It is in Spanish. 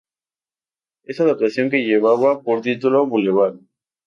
Esta adaptación, que llevaba por título "Boulevard!